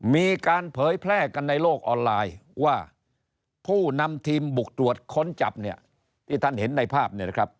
มีการเผยแพร่กันในโลกออนไลน์ว่าผู้นำทีมบุกตรวจค้นจับเนี่ยที่ท่านเห็นในภาพเนี่ยนะครับ